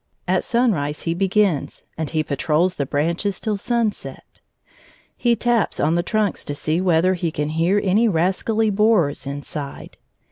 At sunrise he begins, and he patrols the branches till sunset. He taps on the trunks to see whether he can hear any rascally borers inside.